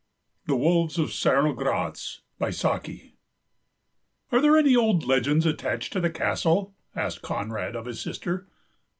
39THE WOLVES OF CERNOGRATZ "Are there any old legends attached to the castle?" asked Conrad of his sister.